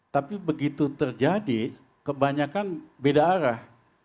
tapi begitu terjadi kebanyakan beda arah